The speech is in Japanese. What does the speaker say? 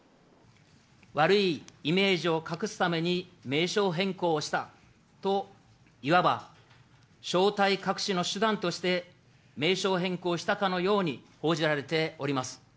悪いイメージを隠すために名称変更をしたと、いわば正体隠しの手段として名称変更したかのように報じられております。